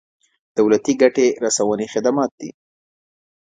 دولتي ګټې رسونې خدمات دي.